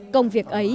công việc ấy